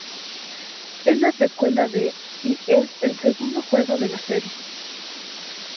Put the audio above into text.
Es la secuela de y es el segundo juego de la serie.